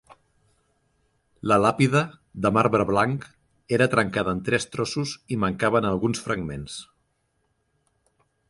La làpida, de marbre blanc, era trencada en tres trossos i mancaven alguns fragments.